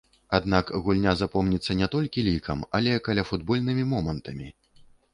Аднак гульня запомніцца не толькі лікам, але каляфутбольнымі момантамі.